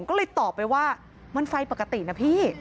ก็เลยตอบไปว่ามันไฟปกตินะพี่